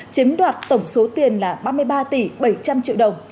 chiếm đoạt tổng số tiền là ba mươi ba tỷ bảy trăm linh triệu đồng